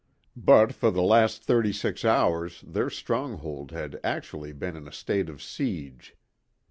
But for the last thirty six hours their stronghold had actually been in a state of siege.